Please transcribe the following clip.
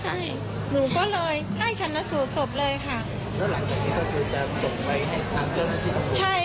ใช่หนูก็เลยได้ชันสูตรสบเลยค่ะแล้วหลังจากนี้ก็คือจะส่งไปให้